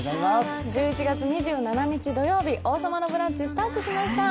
１１月２７日土曜日、「王様のブランチ」スタートしました。